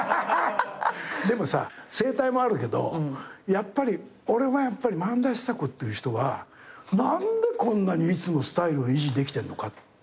でもさ声帯もあるけど俺はやっぱり萬田久子って人は何でこんなにいつもスタイルを維持できてんのか。